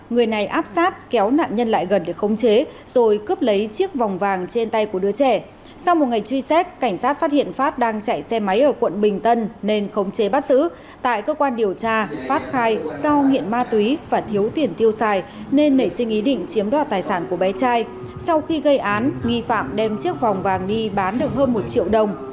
người này áp sát kéo nạn nhân lại gần để khống chế rồi cướp lấy chiếc vòng vàng trên tay của đứa trẻ sau một ngày truy xét cảnh sát phát hiện phát đang chạy xe máy ở quận bình tân nên khống chế bắt xử tại cơ quan điều tra phát khai do nghiện ma túy và thiếu tiền tiêu xài nên nảy sinh ý định chiếm đoạt tài sản của bé trai sau khi gây án nghi phạm đem chiếc vòng vàng đi bán được hơn một triệu đồng